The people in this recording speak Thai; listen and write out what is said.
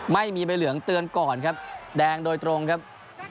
ไม่มีใบเหลืองเตือนก่อนครับแดงโดยตรงครับ